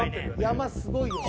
山すごいよ。